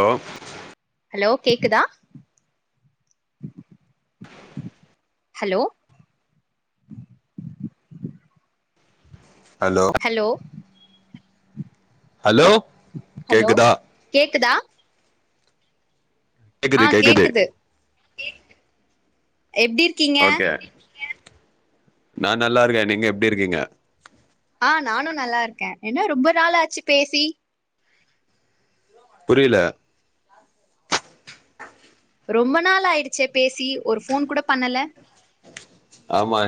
Hello hello கேக்குதா hello hello hello hello கேக்குதா கேக்குதா கேக்குது கேக்குது எப்டி இருக்கீங்க ஓகே நா நல்லா இருக்கே நீங்க எப்டி இருக்கீங்க ஆ நானு நல்லா இருக்கே என்ன ரொம்ப நாள் ஆச்சு பேசி புரியல ரொம்ப நாள் ஆயிடுச்சே பேசி ஒரு போன் கூட பண்ணல ஆமா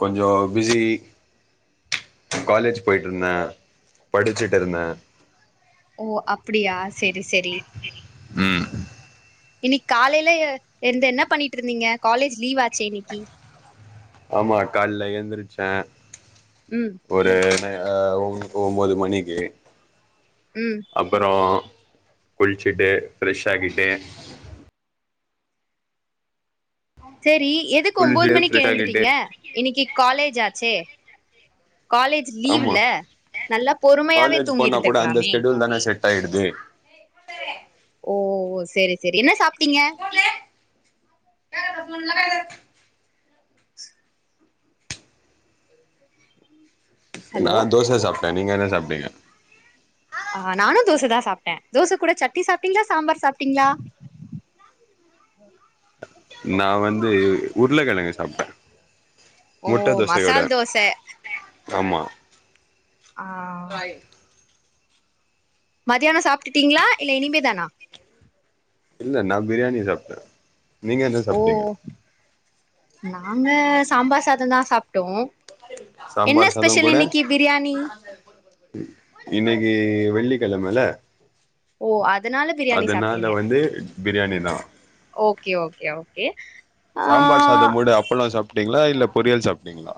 கொஞ்சோ பிஸி காலேஜ் போயிட்டு இருந்தே படிச்சிட்டு இருந்தே ஓ அப்டியா செரி செரி உம் இன்னக்கி காலேல இருந்து என்ன பண்ணிட்டு இருந்தீங்க காலேஜ் லீவ் ஆச்சே இன்னிக்கி ஆமா காலேல எழுந்திரச்சே ம் ஒரு ஆ ஒ ஒம்போது மணிக்கு ம் அப்பறோ குளிச்சுட்டு ஃப்ரெஷ் ஆகிட்டே தேரி எதுக்கு குளிச்சுட்டு ஒன்போமணிக்கு ஃப்ரெஷ் ஆகிட்டு எழுந்துட்டீங்க இன்னிக்கி காலேஜ் ஆச்சே காலேஜ் லீவ்ல ஆமா இல்ல நல்லா பொறுமையாவே தூங்கிட்டுந்துக்கலாமே ஆய்டுது ஓ சேரி சேரி என்ன சாப்ட்டீங்க [unintelligible] [inaudible] நா ஹலோ தோச சாப் த நீங்க என்ன சாப்ட்டீங்க ஆ நானு தோசதா சாப்ட்டே தோச கூட சட்னி சாப்பிட்டீங்களா சாம்பார் சாப்பிட்டீங்களா நா வந்து உருளக்கிழங்கு சாப்ட்டே ஓ முட்ட தோசையோட மசால் தோச ஆமா ஆ மதியானோ சாப்ட்டுட்டீங்களா இல்ல இனிமே தானா இல்ல நா பிரியாணி சாப்ட்டே நீங்க என்ன ஓ சாப்ட்டீங்க நாங்க சாம்பார் சாதோதா சாப்புட்டோ சம்பார்சாதோ கூட இன்னிக்கு வெள்ளி கிளமெல ஓ அ சட்னா அத வந்து பிரியாணி தா கே ஓகே ஓகே ஆ சாம்பார் சாதோ மூடு அப்பல்லோ சாப்ட்டீங்களா இல்ல பொரியல் சாப்ட்டீங்களா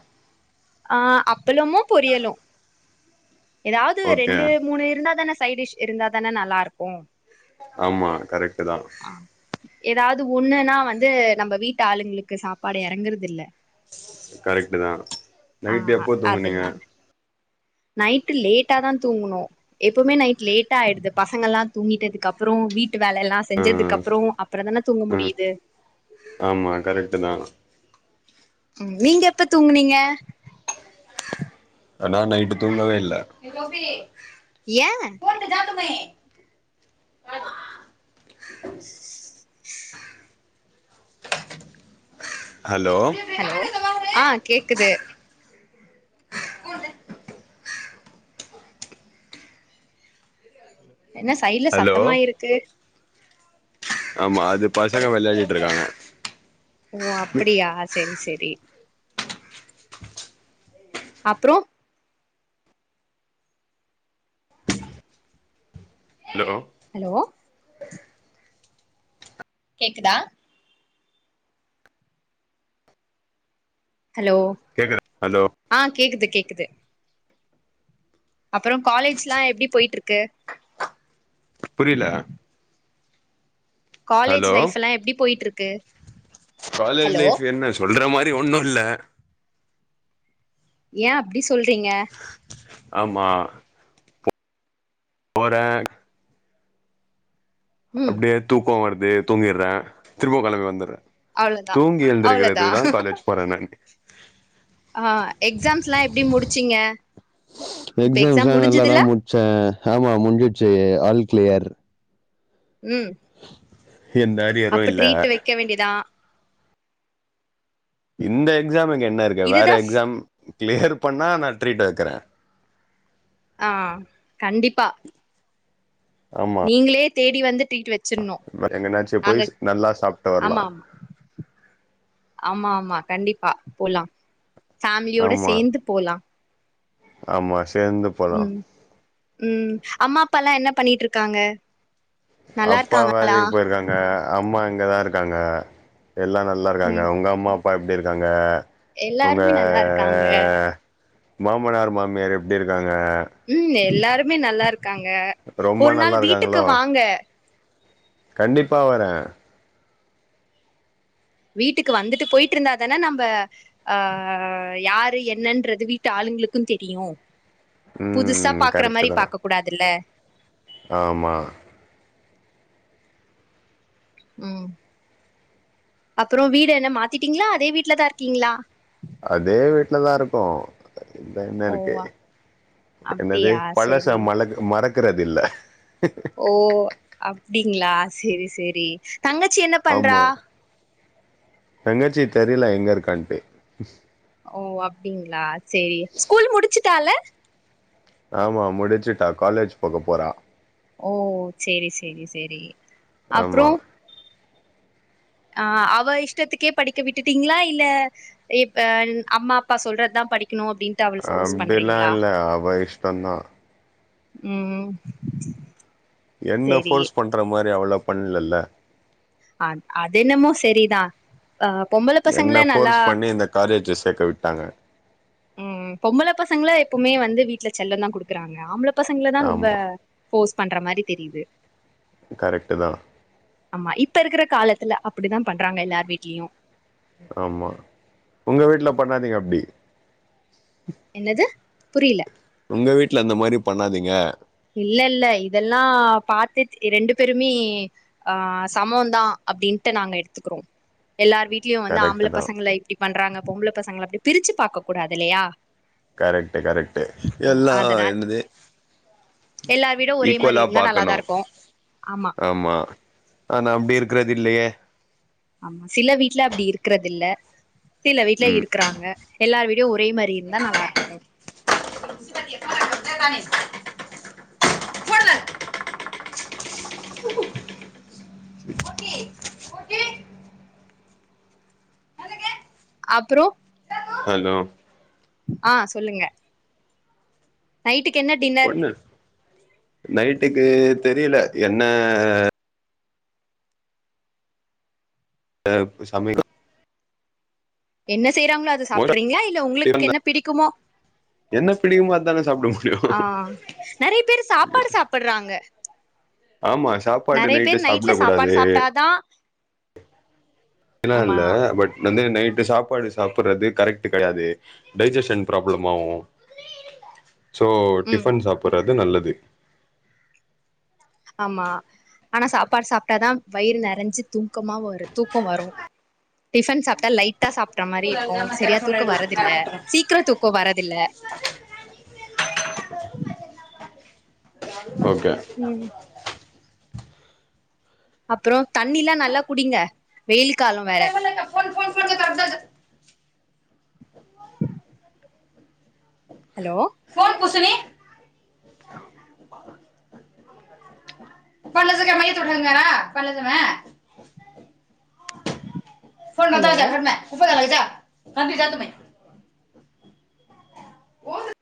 ஆ அப் ப்பலமு பொரியலு ஏதாது ஓகே ரெண்டு மூணு இருந்தாதான சைடிஷ் இருந்தா தான நல்லா இருக்கு ஆமா கரெக் ட்டுதா ஏதாது ஒண்ணுன்னா வந்து நம்ம வீட்டு ஆளுங்களுக்கு சாப்பாடு இறங்குறது இல்ல கரெக்ட்டு தான் நைட்டு் எப்போ தூங்குனிங்க நீங்க நைட் லேட்டா தான் தூங்கனோம் எப்போமே நைட் லேட்டா ஆயிடுது பசங்கயெல்லாம் தூங்கிட்டதுக்கு அப்புறோம் வீட்டு் வீட்டு வேலையெல்லா செஞ்சதுக்கு ம் அப்புறோம் அப்புறத்தானே தூங்க ம் முடியுது ஆமா கரெக்ட்டு தா [unintelligible] உம் நீங்க எப்ப தூங்குனிங்க ஆனா நைட்டு தூங்கவே இல்ல ஏன் [inaudible] [unintelligible] [unintelligible] ஹலோ ஆஹ் கேக்குது [inaudible] என்ன சைடுல ஹலோ சத்தமாய் இருக்கு ஆமா அது பசங்க விளையாடிட்டு இருக்காங்க ஓ அப்படியா செரி செரி [unintelligible] அப்புறோம் ஹலோ ஹலோ கேக்குதா ஹலோ கேக்குதா ஹலோ ஆஹ் கேக்குது கேக்குது அப்புறோம் காலேஜ்லாம் எப்படி போயிட்டு இருக்கு புரியல காலேஜ் ஹலோ லைஃப்ல்லாம் எப்படி போயிட்டு இருக்கு [inaudible] காலேஜ் ஹலோ லைஃப் என்ன சொல்ற மாதிரி அப்படி ஒன்னும் இல்ல ஏன் அப்படி சொல்றிங்க ஆமா ஒரே ம் அப்படியே தூ போகவறது தூங்கிறது திரும்பியே கெளம்பி வந்துறேன் அவ்ளோதா தூங்கி அவ்ளோதா எழுந்திருக்கிறதுக்கு தான் காலேஜ் போன மாதிரி இருக்கு ஆ எக்ஸாம்ஸ்லா எப்டி முடிச்சீங்க? இப்ப எக்ஸாம் எக்ஸாம்ஸ்லா நல்லாதா முடிஞ்சதுல்ல? முடிச்சே ஆமா முடிஞ்சிச்சு ஆல் க்ளியர் ம் எந்த அரியரு அப்ப இல்ல ட்ரீட் வைக்க வேண்டியதா இந்த எக்ஸாமு க்கு என்ன இருக்கு வேற இதுதா எக்ஸாம் க்ளியர் பண்ணா நா ட்ரீட் வக்கிறே ஆ கண்டிப்பா நீங்களே தேடி வந்து ட்ரீட் வச்சிர்ணு வேற எங்கனாச்சு போய் நாங்க நல்லா சாப்ட்டு வரலா ஆமா ஆமா ஆமா ஆமா கண்டிப்பா போலா ஃபேமிலியோட ஆமா சேந்து போலா ஆமா சேந்து போலா ம் ம் அம்மா அப்பா எல்லா என்ன பண்ணிட்ருக்காங்க? அப்பா நல்லாருக்காங்களா வேலைக்கி போயிருக்காங்க அம்மா இங்கதா இருக்காங்க. எல்லா நல்லா ம் இருக்காங்க உங்க அம்மா அப் அப்பா எப்டி இருக்காங்க? உங்க எல்லாருமே நல்லா இருக்காங்க மாமனார் மாமியாரு எப்டி இருக்கா ம் எல்லா ருமே நல்லா இரு க்காங்க ரொம்ப ஒரு நாள் நல்லா வீட்டுக்கு இருக்காங்களோ வாங்க. கண்டிப்பா வரே வீட்டுக்கு வந்துட்டு போயிட்ருந்தாதான நம்ப ஆ யாரு என்னன்றது வீட்டு ஆளுங்களுக்குந் தெரியு புதுசா ம் பாக்கற கரெக்ட்டு மாரி தா பாக்கக் கூடாதுல்ல ஆமா ம் அப்புறோ வீடு என்ன மாத்திட்டீங்களா அதே வீட்லதா இருக்கீங்களா? அதே வீட்லதா இருக்கோ இதுல என்ன ஓ இருக்கு என்னது அப்டியா பழச செரி மறக்க மறக்கறதில்ல ஓ அப் அப்படிங்களா சேரி சேரி தங்கச்சி என்ன பண்றா ஆமா தங்கச்சி தெரியல எங்க இருக்கான்ட்டு ஓ அப்படிங்களா சேரி ஸ்கூல் முடிச்சுட்டால ஆமா முடிச்சுட்டா காலேஜ் போக போறா ஓ சேரி சேரி சேரி ஆமா ஆஹ அவ இஷ்டத்துக்கே படிக்க விட்டுட்டீங்களா இல்ல இப்பஅம்மா அப்பா சொல்றதுதா படிக்க அப்டிலாம் இல்ல அவ இஷ்டந்தான் உம் உம் என்ன போர்ஸ் பண்ற மாரி அவ்வளவு பண்ணல்ல அ அது என்னமோ சரிதான் என்ன போர்ஸ் பண்ணி இந்த காலேஜ்ல சேர்க்க விட்டாங்க உம் பொம்பள பசங்கள எப்புமே வந்து வீட்டுல செல்லம் தான் குடுக்குறாங்க ஆம்பள பசங்கள தான் ஆமா ரொம்ப பண்ற மாரி தெரியுது கரெக்ட்டு தான் ஆமா இப்ப இருக்கிற காலத்துல அப்படிதான் பண்றாங்க எல்லாரு வீட்லயும் ஆமா உங்க வீட்டுல பண்ணாதீங்க அப்பிடி என்னது புரியல உங்க வீட்டுல அந்த மாரி பண்ணாதீங்க இல்ல இல்ல இதெல்லாம் பாத்து ரெண்டு பேருமே ஆஹ சமம் தான் அப்படின்ட்டு நாங்க எடுத்துக்கிறோம் எல்லார் வீட்லயு வந்து கரெக்ட்டு ஆம்பள தா பசங்க இப்படி பண்றாங்க பொம்பள பசங்கள அப்படி பிரிச்சி பாக்க கூடாது இல்லையா கரெக்டு கரெக்டு ம் எல்லா அதனால் என்னது எல்லார் வீடு ஒரே மாரி ஈக்குவலா இருந்தா நல்லாதா பாக்கணும் இருக்கு ஆமா ஆனா அப்படி இருக்காது இல்லையே ஆமா சில வீட்டு்ல அப்படி இருக்கிறது இல்ல சில வீட்ல ம் இருக்கறாங்க எல்லாரு வீடியோ ஒ ஒரே மாரி இருந்தா நல்லா இருக்கு [unintelligible] அப்புரோ ஹலோ ஆ சொல்லுங்க நைட்டுக் கு என்ன டின்னர் ஒண்ணு நைட்டுக்கு தெரியல என்ன அ சமை என்ன செய்யறாங்களோ அத சாப்பிறீங்களா இல்ல உங்களுக்கு என்ன பிடிக்குமோ என்ன பிடிக்குமோ அதான சாப்ட முடியு ஆ நெறைய பேரு சாப்பாடு சாப்புடாறாங்க ஆமா சாப்பாடு நைட்டு நைட்ல சாப்டக்க கூடாது சாப்பாடு சாப்ட்டாதா அபடி எல்லா ஆமா இல்ல பட் வந்து நைட்டு சாப்பாடு சாப்பிடறது கரெக்ட்டு கெடையாது டைஜஸன் ப்ராப்ளம் ஆகு சோ ம் டிஃபன் சாப்பறது அது நல்லது ஆமா ஆனா சாப்பாடு சாப்ட்டாதா வயிறு நெறைஞ்சு தூக்கமா வரு தூக்கம் வரும் டிஃபன் சாப்ட்டா லைட்டா சாப் ட்ட மாரி இருக்கு சரியா தூக்க வரதில்ல சீக்கிர தூக்க வரதில்ல ஓகே ம் அப்புற தண்ணில்லா நல்லா குடிங்க வெயில் காலம் வேற ஹலோ ஃபோன் புசணி [inaudible] [inaudible] ஹலோ [unintelligible] உ